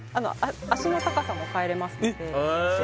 脚の高さも変えれますのでえっ！？